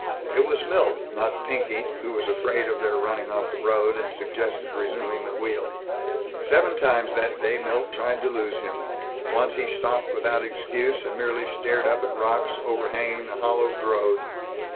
It was Milt not Pinky, who was afraid of their running off the road, and suggested resuming the wheel. Seven times that day Milt tried to lose him. Once he stopped without excuse, and merely stared up at rocks overhanging the hollowed road.